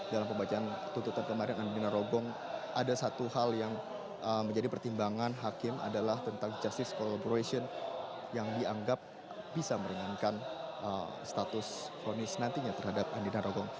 dalam pembacaan tuntutan kemarin andina rogong ada satu hal yang menjadi pertimbangan hakim adalah tentang justice collaboration yang dianggap bisa meringankan status vonis nantinya terhadap andina rogong